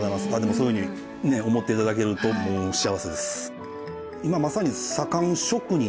そういうふうに思っていただけると幸せです。